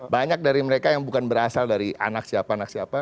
banyak dari mereka yang bukan berasal dari anak siapa anak siapa